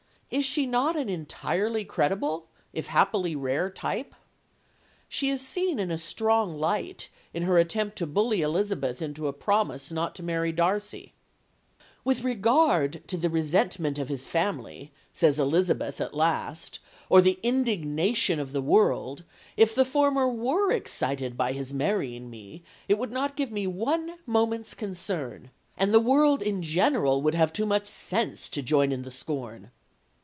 Is she not an entirely credible, if happily rare, type? She is seen in a strong light in her attempt to bully Elizabeth into a promise not to marry Darcy "'With regard to the resentment of his family,' says Elizabeth at last, 'or the indignation of the world, if the former were excited by his marrying me, it would not give me one moment's concern and the world in general would have too much sense to join in the scorn.'